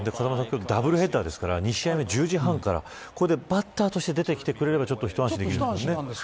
ダブルヘッダーですから２試合目、１０時半からバッターとして出てきてくれれば一安心ですね。